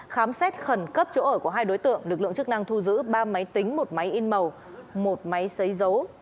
khám xét khẩn cấp chỗ ở của hai đối tượng lực lượng chức năng thu giữ ba máy tính một máy in màu một máy xấy dấu